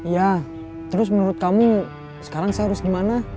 ya terus menurut kamu sekarang saya harus gimana